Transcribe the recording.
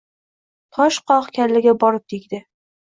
Tosh qoq kallaga borib tegdi